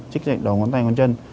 chích giải đầu ngón tay ngón chân